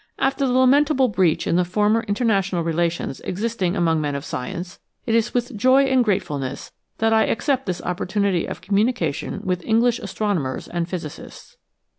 After the lamentable breach in the former interna tional relations existing among men of science, it is with joy and gratefulness that I accept this opportunity of communication with English astronomers and physicists.